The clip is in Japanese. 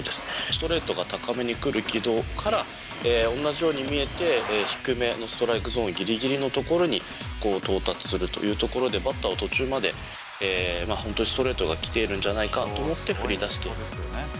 ストレートが高めに来る軌道から、同じように見えて、低めのストライクゾーンぎりぎりの所に、到達するというところで、バッターは途中まで本当、ストレートが来てるんじゃないかと思って振りだしている。